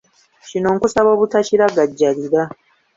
Kino nkusaba obutakiragajjalira.